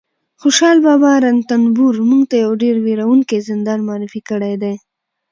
خوشحال بابا رنتنبور موږ ته یو ډېر وېروونکی زندان معرفي کړی دی